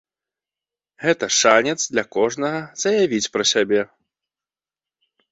Гэта шанец для кожнага заявіць пра сябе.